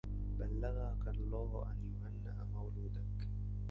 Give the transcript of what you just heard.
بلغك الله أن يهنأ مولودك